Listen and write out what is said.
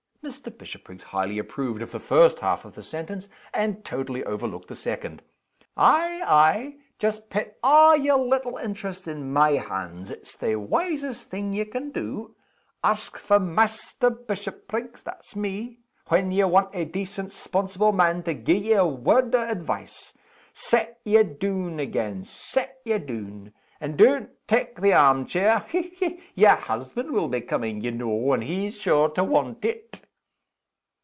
Mr. Bishopriggs highly approved of the first half of the sentence, and totally overlooked the second. "Ay, ay just pet a' yer little interests in my hands; it's the wisest thing ye can do. Ask for Maister Bishopriggs (that's me) when ye want a decent 'sponsible man to gi' ye a word of advice. Set ye doon again set ye doon. And don't tak' the arm chair. Hech! hech! yer husband will be coming, ye know, and he's sure to want it!"